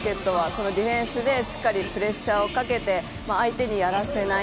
そのディフェンスでしっかりプレッシャーをかけて相手にやらせない。